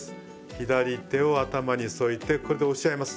左手を頭に添えてこれで押し合います。